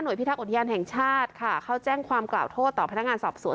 พิทักษ์อุทยานแห่งชาติค่ะเขาแจ้งความกล่าวโทษต่อพนักงานสอบสวน